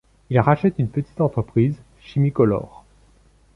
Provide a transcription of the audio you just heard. Il rachète une petite entreprise, Chimicolor.